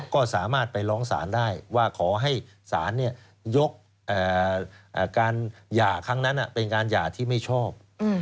ก็สามารถไปร้องศาลได้ว่าขอให้ศาลยกการหย่าครั้งนั้นเป็นการหย่าที่ไม่ชอบ